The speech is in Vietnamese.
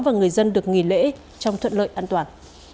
và người dân được nghỉ lễ trong thuận lợi an toàn